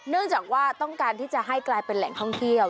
เนื่องจากว่าต้องการที่จะให้กลายเป็นแหล่งท่องเที่ยว